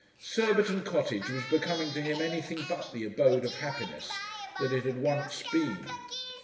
Surbiton Cottage was becoming to him anything but the abode of happiness that it had once been.